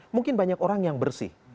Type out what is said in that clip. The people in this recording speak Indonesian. mungkin banyak orang yang bersih